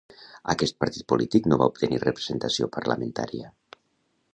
Aquest partit polític no va obtenir representació parlamentària.